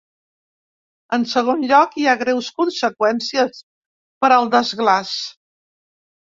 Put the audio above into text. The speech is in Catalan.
En segon lloc, hi ha greus conseqüències per al desglaç.